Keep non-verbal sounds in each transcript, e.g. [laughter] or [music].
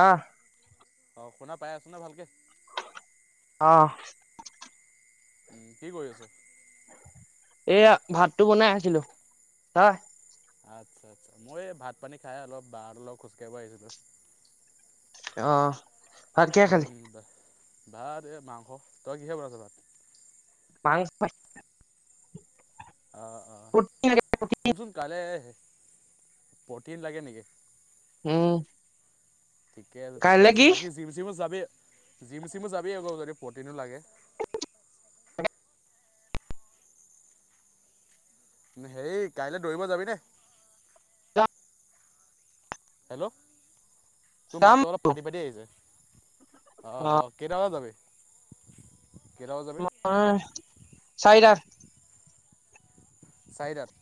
আহ অ' শুনা পাই আছো নে ভালকে? অঁহ উম কি কৰি আছ? এইয়া ভাতটো বনাই আছিলো, তই? আচ্ছা, আচ্ছা, মই এই ভাত পানী খাই অলপ বাহঁতৰ লগত অলপ খোজ কাঢ়িব আহিছিলো। অহ উম ভাত এ মাংস, তই কিহে বনাইছ ভাত? মাংস ভাত অঁ অঁ, শুনচোন কাইলে প্ৰ'টিন লাগে নেকি? উম ঠিকে আছে ঠিকে কাইলে আছে কি বাকী জিম চিমো যাবি জিম চিমো যাবি আকৌ যদি প্ৰ'টিনো লাগে। হেৰি কাইলৈ দৌৰিব যাবি নে? হেল্ল' তোৰ যাম মাতটো অলপ ফাটি ফাটি আহিছে, অ অ কেইটা বজাত যাবি? কেইটা বজাত যাবি? তোমাৰ চাৰিটাত। চাৰিটাত?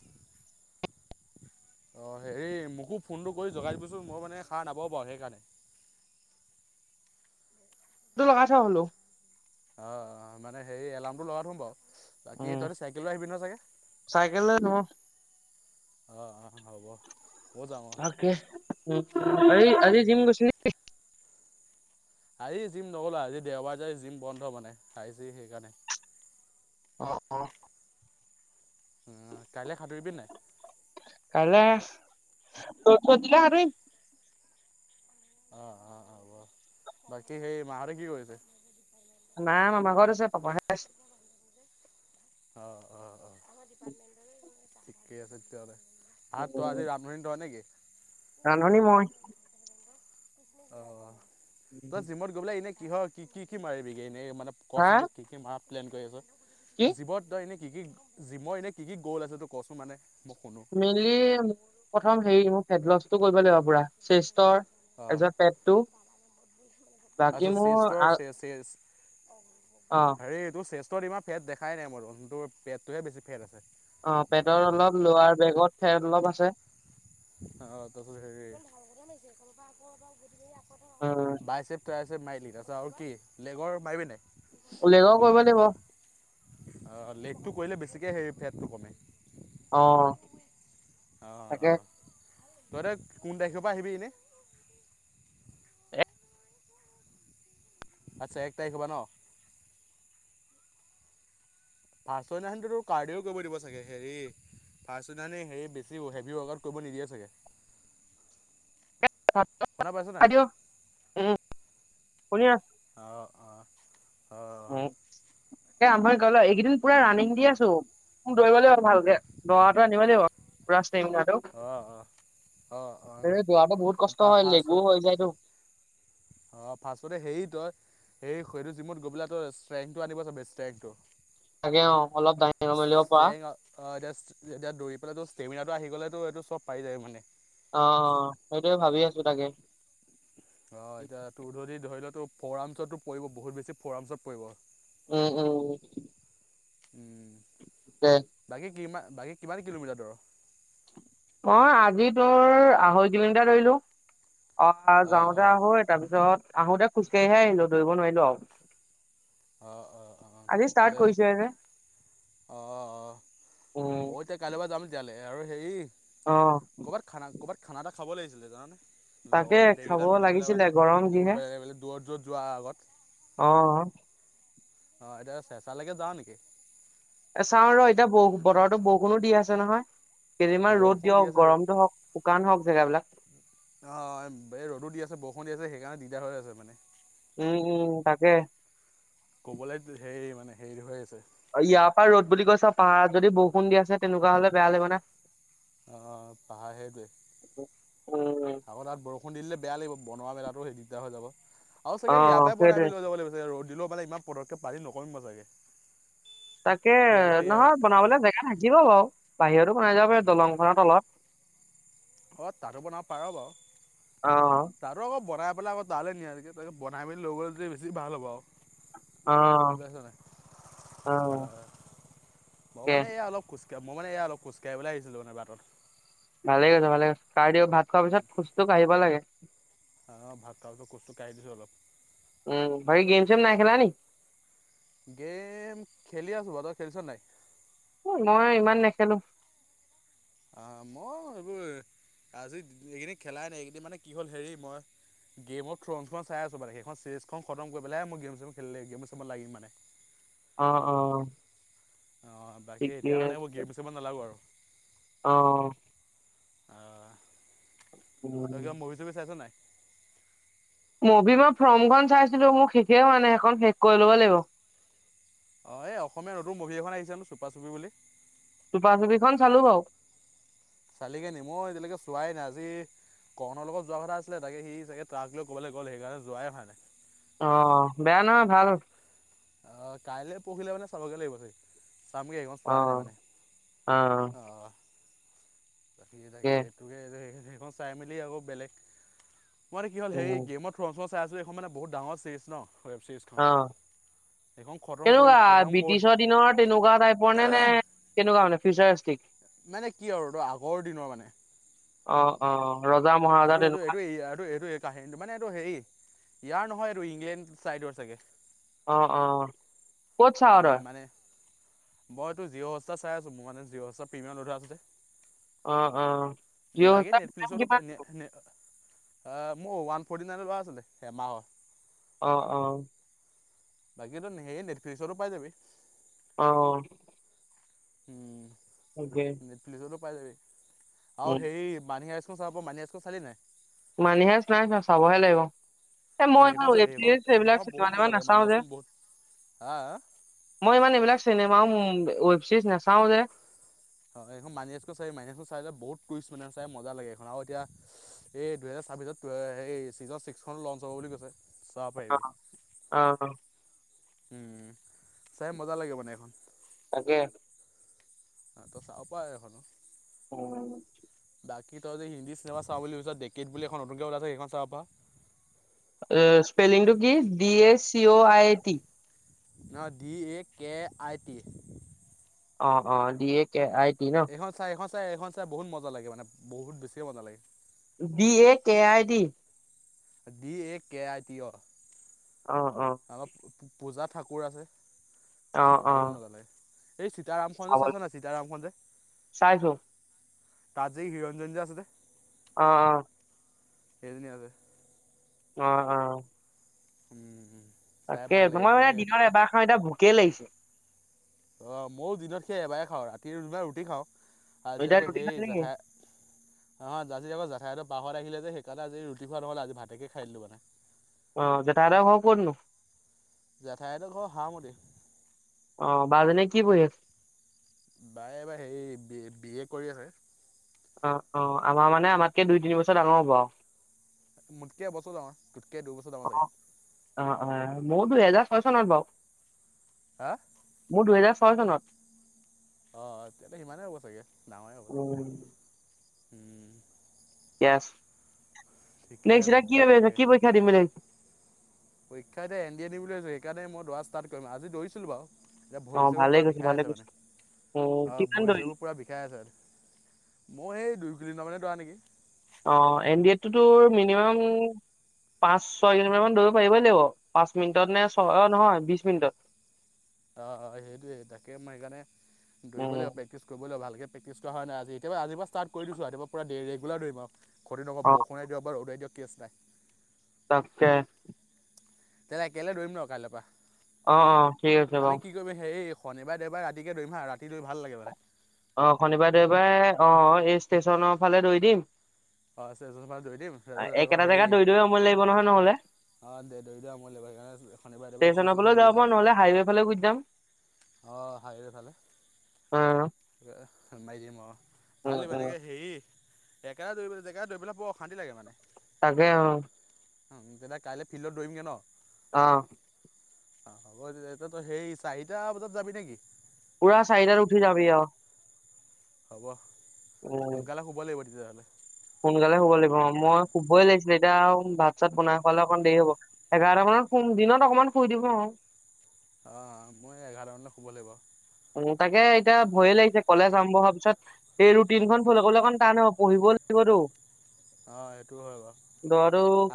অ' হেৰি মোকো ফোনটো কৰি জগাই দিবিচোন মই মানে সাৰ নাপাবও পাৰো সেইকাৰণে। [inaudible] টো লগাই থ বোলো। অ' অ' মানে হেৰি এলাৰ্মটো লগাই থম বাৰু। বাকী উম, তহঁতি চাইকেল লৈ আহিবি নহয় চাগে চাইকেল নে অ' অ' হ'ব। ময়ো যাম অঁ তাকে, উ, অঁ হেৰি আজি তাকে জিম গৈছিলি নিকি? আজি জিম নগ'লো, আজি দেওবাৰ যে আজি জিম বন্ধ মানে আজি সেইকাৰণে। অ অ কাইলে সাঁতুৰিবি নে নাই? কাইলে [unintelligible] অ' অ' অ' বাকি সেই মাহঁতে কি কৰিছে? মা মামাৰ ঘৰত আছে, পাপাহে আছে। অ' অ' অ' ঠিকেই আছে তেতিয়াহ'লে। ভাত তই আজি ৰান্ধনি তই নেকি? ৰান্ধনি মই। অ' তই জিমত গৈ পেলাই এনে কিহৰ কি কি কি মাৰিবিগে এনে? এই মানে হা কছোন তই কি কি মাৰাৰ প্লেন কৰি আছ? কি জিমত তই এনে কি কি জিমৰ এনেই কি কি গ'ল আছে তই কছোন মানে মোক মেইনলি মোৰ প্ৰথম হেৰি মোৰ ফেট লছটো কৰিব লাগিব পুৰা চেছ। ফেটৰ তাৰ অঁ পাছত পেটটো বাকী আচ্ছা মোৰ আ চেষ্টৰ চে চেষ্ট অ হেৰি তোৰ চেষ্টত ইমান ফেট দেখাই নাই মই দেখোন, তোৰ পেটটোহে বেছি ফেট আছে। অ' পেটৰ অলপ ল'ৱাৰ বেকত ফেট অলপ আছে। অ' তাৰ পিছত হেৰি বাইছেপ উম তাইছেপ মাৰিলি তাৰ পিছত আৰু কি, লেগৰ মাৰিবি নে নাই? অ লেগৰো কৰিব লাগিব। অ' লেগটো কৰিলে বেছিকে সেই ফেটটো কমে অঁ অ', অ, তই এতিয়া কোন তাৰিখৰ পৰা আহিবি এনে? আচ্ছা এক তাৰিখৰ পৰা ন? ফাৰ্স্টৰ দিনাখন টো কাৰ্ডিও কৰিব দিব চাগে হেৰি ফাৰ্স্টৰ দিনা হেৰি বেছি হেভি ৱৰকাওত কৰিব নিদিয়ে চাগে। শুনা পাইছ নাই [unintelligible] অ', অ। অ' উম এ আমাৰ এইকেইদিন পুৰা ৰাণনিং দি আছো খুব দৌৰিব লাগিব ভালকে দৰাটো আনিব লাগিব পোৰা অ' অ' অ' [unintelligible] এ অ' দৰাটো বহুত পা কষ্ট হয় লেগু ফাৰ্ষ্টত হৈ যায়তো। অ', ফাচততে হেৰি তই সেই শেটো জিমুত গৈ পেলে তই ষ্ট্ৰেংটো আনিব চাবি ষ্ট্ৰেংটো। তাকে অ অলপ দাঙিব মেলিব পৰা ষ্ট্ৰেং অ', এতিয়া দওৰি পেলে ত ষ্টেমিনাটো আহি গ'লেতো সেইতো চব পাই যায় মানে। অ', সেইটোয়ে ভাবি আছো তাকে। অ', এতিয়া তোৰ জদি ধৰি ল টোৰ ফৰামচটো পৰিব বহুত বেছি ফৰামচত পৰিব। উম-উম, উম বাকী কি কিমান কিলোমিটাৰ দৰ? অ', আজি তোৰ আঢ়ৈ কিলোমিটাৰ ধৰিলো। অ', অঁ যাওতে অঁ আহো তাৰ পিছত আহোতে খোজকাঢ়িহে আহিলো দৌৰিব নোৱাৰিলো আৰু। অঁ আজি ষ্টাৰ্ট কৰিছোহে যে। অ', অ, ময় এতিয়া কাইলৈ পৰা যাম তেতিয়ালে আৰু হেৰি অ'। ক'ৰবাত খানা ক'ৰবাত খানা এটা খাব লাগিছিলে জাননে তাকে লগৰ খাব গোটেইকেইটা মিলি পেলাই লাগিছিলে মানে গৰম যিহে [unintelligible] দূৰত দূৰত যোৱাৰ আগত অ' অ', এতিয়া চেচালৈকে যাও নেকি? এ চাও ৰ এতিয়া বতৰতো বৰষুণো দি আছে নহয়। কেইদিনমান ৰ'দ বৰষুণ দি দিয়ক আছে গৰমটো হওক শুকান হওক জেগাবিলাক। অ', এই ৰদো দি আছে বৰষুণ দি আছে সেইকাৰণে দিগদাৰ হৈ আছে মানে। উম, উম তাকে। ক'বলৈ হেৰি মানে, হেৰি হৈ আছে। ইয়াৰ পৰা ৰ'দ বুলি কৈছ পাহাৰত যদি বৰষুণ দি আছে তেনেকুৱা হলে বেয়া লাগিব না। অ' পাহাৰ সেইটোৱে উম আগত তাত বৰষুণ বৰসোন দিলে বেয়া লাগিব বনোৱা মেলাাতো সেই দিগদাৰ হৈ যাব আৰু অ চাগে ইয়াতে বনাই সেইটোৱে আমি লৈ যাব লাগিব ৰদ দিলে ইমান পদকেপ পালি নকৰিম মই ছাগে। তাকে নহয় বনাবলে জেগা ঠাকিব বাৰু বাহিৰতো [unintelligible] যাব দলংখনত তলত। অ' তাতো বনাব পাৰ বাৰু অ তাতো আকৌ বনাই [unintelligible] তালয়কে নিয়াত কে তয় বনাই মিলি লই গলে তে বেছি ভাল হব আৰু। অ'। অ' ময় তাকে মানে এয়া অলপ খোজ মই মানে এয়া অলপ খোজকাঢ়িবলে আহিছিলো মানে বাটত। ভালে হয়চে ভালে হয়চে খাই [unintelligible] ভাত খোৱাৰ পিছত খোজটো কাঢ়িব লাগে। অ' ভাত খোৱাৰ পিছত খোচটো কঢ়ি দিছো অলপ। উম বাকি গেম চেম নাই খেলা নেকি? খেলিচনেনাই? মই ইমান নেখেলো। অ' মই এইবোৰ আজি এইকেইদিন খেলাই নাই এইকেইদিন মানে কি হ'ল হেৰি মই গেম অফ থ্ৰোনস খন চাই আছো মানে সেইখন চিৰিজখন খতম কৰি পেলেহে মই গেম চেমত লাগিম মানে। অ', অ'। অ', বাকী ঠিকে এতিয়া মানে আছে। আকৌ গিৰ পুচিব নালাগো আৰু। অ'। অ', তই কিবা উম। মভি চভি চাইছ নাই? মবি মই ফৰ্মখন চাইছিলো। মোৰ শেষেই হোৱা নাই, সেইখন শেষ কৰি ল'ব লাগিব। অ', এই অসমীয়া নতুন মুভি এখন আহিছোনো চুপা-চুপি বুলি। চুপা চুপিখন চালো বাৰু। চালিকে নি মই এতিয়ালৈকে চোৱাই নাই। আজি কৰ্ণৰ লগত যোৱা কথা আছিলে, তাকে সি চাগে ট্ৰাক লৈ কবালৈ গল সেইকাৰণে যোৱাই হোৱা নাই। অ', বেয়া নহয় ভাল হ অ', কাইলৈ পৰহিলে মানে চাবগে লাগিব চাগে। চামগৈ এইকণ অ চোৱাই নাই মানে অ অ'। [unintelligible] থাকে তাকে সেইটোকে চাই মেলি আকৌ বেলেগ মই কি হ'ল হেই উম গেম অফ থ্ৰ চাই আছো এইখন মানে বহুত ডাঙৰ চিৰিজ ন ৱেব অ চিৰিজখন। কেনেকুৱা ব্ৰিটিছৰ দিনৰ তেনেকুৱা টাইপৰ নে-নে কেনেকুৱান ফিউচাৰিষ্টিক? মানে কি আৰু এই আগৰ দিনৰ মানে। অ', অ', অ'। এইটো, এইটো, এইটো, এই এইটো, এইটো এই কাহিনটো মানে এইটো হেৰি। ইয়াৰ নহয় এইটো ইংলেণ্ড চাইডৰ চাগে। অ', অ'। ক'ত উ চাৱ তই মানে মইটো জিঅ' হস্তা চাই আছো মোৰ মানে জিৰঅ' হস্তাৰ প্ৰিমিয়াম লৈ থোৱা আছে যে। অ', অ', জিও লাগে হস্তা কিমান নো? এ মোৰ ওৱান ফৰ্টি নাইন লৰা আছিলে এমাহৰ। অ', অ'। বাকীটো সেই নেটফ্লিক্সো পাই যাবি। অ'। উম তাকে নেট পুলিচতো পাই যাবি আৰু উম সেই মানি হাইস্ত চাব, মানি হাইস্তখন চালি নাই? মানি হাইস্ত নাই চোৱা, চাবহে লাগিব। এ অ মই ইমান সেইখন চাবি ৱেভ সেইখন চিৰিজ সেইবিলাক সেইখন বহুত চিবা মজা লাগে মানি নাচাও যে। হাইস্কুল বহুত হা মই ইমান এইবিলাক চিনেমাও, ৱেব ছিৰিজ নাচাও যে। হয় এইখন মানি হাইষ্টখন চাবি মানি হাইষ্টখন চাই বহুত টুইষ্ট মানে চাই মজা লাগে এইখন আৰু এতিয়া এই দুহেজাৰ তাৰপিছত সেই ছিজন ছিক্সখননো লঞ্চ হ'ব বুলি কৈছে। চাব পাৰিবি অ', আহ। উম চাই মজা লাগে মানে এখন। তাকে। তই চাব পাৰা এখন। উম। বাকী তই যদি হিন্দী চিনেমা চাওঁ বুলি ভাবিছ, ডেকিত বুলি এখন নতুনকৈ ওলাইছ সেইখন চাব পাৰ। স্পেলিংটো কি D A C O I T. ন D A K I T. অ', অ', D A K I T ন? এইখন চাই এইখন চাই এইখন চাই বহুত মজা লাগে মানে, বহুত বেছিয়ে মজা লাগে। D A K I D. D A K A T অ'। অ', অ', অলপ পূজা ঠাকুৰ আছে, অ', বহুত অ', মজা লাগে। এই সীতাৰাম খনজে চাব চাইছ লাগিব। নাই? সীতাৰাম খনজ যে। চাইছো তাহ যে হিৰঞ্জনজন যে আছে যে। অ', অ'। এদিন আগ অ - অ। উম - উম। তাকে তোমাৰ মানে দিনৰ এবাৰ খাও এতিয়া ভোকে লাগিছে। অ, ময়ো দিনত সে এবাৰে খাও ৰাতি দুব ৰুটি খাও। আজি এতিয়া আকৌ ৰুটি সেই খালি নেকি জেঠাই আ জাজি যাব জা। ঠাইত বাহত আহিলে যে সেইকাৰণে আজ ৰুটি খোৱা নহলে আজি ভাতেকে খাই দিলো মানে। অ, জেঠাইহতৰ ঘৰ কতনো? জেঠাইত ঘৰ সহামতিত। অ, বা জনে কি পঢ়ি আছে? তাই এইবাৰ হেৰি বি - বি এ কৰি আছে। অ - অ আমাৰ মানে আমাতকে দুই তিন বছৰ ডাঙৰ হ'ব আৰু। মোটকে এবছৰ ডাঙৰ। তোতকৈ দুবছৰ ডাঙৰ চাগে অ- অ- অ মই দুহেজাৰ ছয় চনত বাৰু। হা মোৰ দুহেজাৰ ছয় চনত। অ, তে সিমানেই হ'ব চাগে ডাঙৰে হ'বাগ উম উম, য়েছ, ঠিকে নেক্সট আছে এতিয়া তেতিয়াহ'লে কি দেই - কি পৰীক্ষা দিম বুলি ভা পৰীক্ষা এতি এন ড এ দি বুলি ভাবিছো সেইকাৰণেইদৌৰা ষ্টাৰ্ট কৰিম আজি দৌৰিছিলো বাৰু। এতিয়া অ ভৰি চৰিবোৰ ভালে পুৰা কৈছো বিষাই ভালে আছে কৈছো মানে উম অ, কিমান ভৰি দৌৰিলি চৰিবোৰ পুৰা বিষাই আছে। মই সেই দুই ক দিনা মানে তৰা নেকি? অ, এন ডি এফ টোৰ মিনিমাম পাচ ছয় কিলোমিটাৰ মান ধৰিব পাৰিবই লাগিব পাচ মিনিটত নে ছয় অ, নহয় বিশ মিনিটত। অ - অ সেইটোয়ে তাকে মই সেইকাৰণে দৌৰিব উম লাগিব প্ৰেক্টিচ কৰিব লাগিব ভালকে। প্ৰেক্টিছ কৰা হয় নাই আজি এতিয়া আজিৰ পৰা ষ্টাৰ্ট কৰি দিছো এতিয়াৰ পৰা ৰেগুলাৰ দৌৰিম আৰু খতিক অ বৰষুণে দিয়ক বা ৰদে দিয়ক। কেছ নাই। তাকে। তেনে একেলে দৌৰিম ন কাইলে পৰা। অ- অ ঠিক আছে আমি বাৰু। কি কৰিম হেৰি শনিবাৰে দেবাৰে ৰাতিকে দৌৰম হা ৰাতি দৌৰি ভাল লাগে মানে। অ, শনিবাৰ দেবাৰে অ, এই ষ্টেচনৰ ফালে দৌৰি দিম। অঁ দৌৰি দিম একেটা জেগাত দৰি - দৰি সময় লাগিব নহয় নহলে। অ, দে দেৰি দিয় মইব সেইকাৰণে শনিবাৰে একবাৰে ষ্টেচনৰ ফালেও ফালে যাব গুছি পাৰো যাম। নহ'লে হাইৱে ফালে গুচি যাম। অ, হাইৰে ভালে। উম মাৰি দিম অ, ভাল দিবা উম। নেকে হেৰি ডেকা দৌৰিলৈ জে দৰিবলৈ বৰ অশান্তি লাগে মানে। তাকে অ, উম, তেতিয়া কাইলে ফিল্ডত দৌৰিমগে ন। অহ', অহ, হ'ব এতিয়াত সেই চাৰিটা বজাত যাবি নেকি? পুৰা চাৰিদাৰ উঠি যাবি আৰু। হ'ব উম সোনকালে শুব লাগিব তেতিয়াহ'লে। সোনকালে শুব লাগিব মই শুবই লাগিছিলে এতিয়া ভাত চাত বনাই খালে অকণ দেৰি হ'ব এঘাৰটা মানত ম দিনত অকনমান ফুই দিম অ, অ, মই এঘাৰামানলৈ শুব লাগিব। উম, তাকে এতিয়া ভয়ে লাগিছে কলেজ আৰম্ভ হোৱাৰ পিছত সেই ৰুটিনখন ফলে অকন টান হব পঢ়িব কল দিবতো। অহ, সেইটো হয় বাৰু।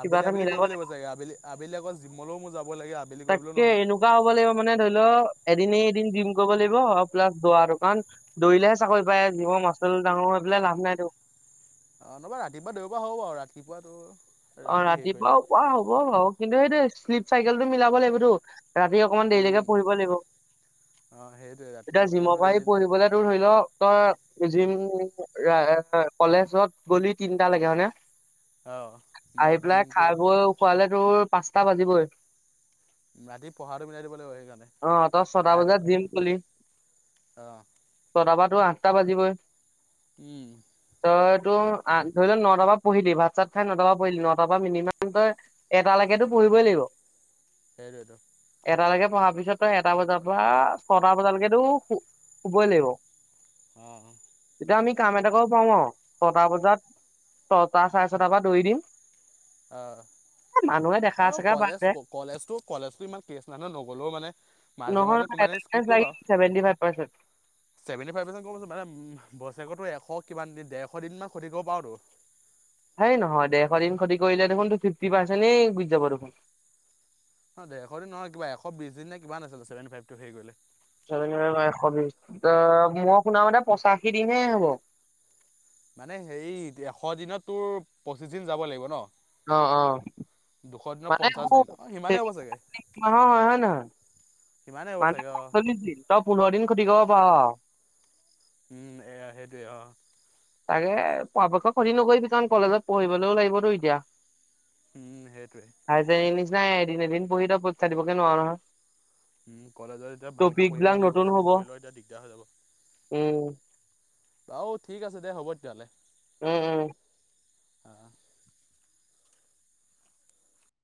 কিবা আবেলি - এটা আবেলি মিলাব কৰিব লাগিব চাগে আবেলি - আবেলি আকৌ জিমলৈও মোৰ যাব লাগে আবেলি কৰিবলৈও নহয়। ক লাগিব মানে ধৰি লও এদনে এদিনি দিম কৰিব লাগিব প্লা দৰাটো কাৰণ দৌৰিলেহে চাকৰি পায় জৱ মা ডাঙৰ হৈ পেলাই লাভ নাই। অ নবা ৰাতিপুৱা দেওবাৰ হব বাৰ ৰাতিপুৱাাতটো অ ৰাতিপুৱা পুৱোৱা হ'ব বাৰ কিন্তু সেইটো শ্লিপ চাইকেলটো মিলাব লাগিবতো ৰাতি অকমান দেৰিলৈকে পঢ়িব লাগিব অঁ সেইটোৱে ৰাতি এতিয়া জিম অকণমানো পাৰি দেৰি পঢ়িবলে তৰ ধৰি লও তই িম কলেজত গলি তিনটা লাগে হয়নেে অ মই আহি পেলাই জিমটো খাই বৈ খোৱালে তোৰ পাঁচটা বাজিবই ৰাতি পঢ়াটো মিলাই দিব লাগিব সেইকাৰণে অ তই ছটা বজাত জিম গলি ৰাতিুৱা অ ত আঠটা বাজিবই উম, তই তটো আ আঠটা ধৰি লোৱা নটা বা পঢ়িলিম ভাত চাত খাই নট পৰা পঢ়িলি নটাৰ পৰা মিনিমাম তই এটা লৈকেতো পঢ়িবই লাগিব সেইবাদ এটালৈকে পঢ়াৰ পিছতই এটা বজাৰ পৰা ছটা বজালৈকেতোু শুবই লাগিব অঁ তেতিয়া আমি কাম এটাাক পাওঁ আৰু ছটা বজাত ছটা চাৰে ছটা বজাত দৌৰি দিম অ এ, মানুহে দেখা আৰু চেখা বাদ কলেজ দে কলেজো কলেজো ইমান কেচ নানয় নগলেও মানে মাজে নহয় মাজে কোমাই কি এটেনডেঞ্চ কৰিবা [inaudible] [inaudible] কিমান দিন ডেৰশ দিন মমান খতি কৰিব পাৰ সেই নহয় দে এশ দিন খ্ষতি কৰিলে দেখোন ফিফটি পাৰ্চেণ্টেই গুজি যাব দেখোন অ দেৰশ দিন নহয় কিব এশ বিশ দিন নে কা নাছিলে চেভে ফাইভ টোে গলে এশ বিশ মই শুনাাম দে পঁচাশী দিনহে হ'ব মানে হেই এশ দিনত তোৰ পঁচিশ দিন যাব লাগিব ন অ অ দুশ দিনৰ মানে পঞ্চাশ শু- দিন অ সিমানেই হ'ব চাগে মাহৰ হয় হয় নহয় সিমানেই হ'ব মানে চাগে অ', পাতচল্লিশ দিন তই পোন্ধৰ দিন খতি ক পাৰ উম এয়া সেইটোৱে অ তাকে পৰাপক্ষ ক্ষতি নকৰি কিছমান কলেজত পঢ়িবলৈও লাগিবতো এতিয়া উম সেইটোৱে নাই এদিন এদিন পঢ়ি ত প চা দিবকে নোৱাৰো নহয় উ কলেজত এতিয়া ভালকে টপিক পঢ়িবও বিলাক লাগিব নতুন এতিয়া হব নপঢ়িলেও এতিয়া দিগদাৰ হৈ যাব উম ঔ ঠিক আছে দে হ'ব তেতিয়াহ'লে উম উম অ